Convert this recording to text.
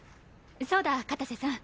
そうだ片瀬さん。